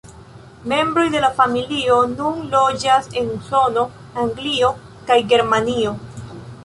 Membroj de la familio nun loĝas en Usono, Anglio kaj Germanio.